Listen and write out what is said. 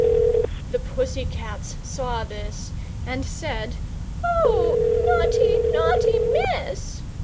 The Pussy cats saw this And said: "Oh, naughty, naughty Miss!"